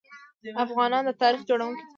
افغانان د تاریخ جوړونکي دي.